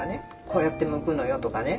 「こうやってむくのよ」とかね。